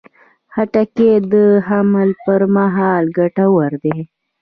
خټکی د حمل پر مهال ګټور دی.